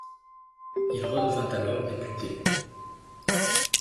Il redevint alors député.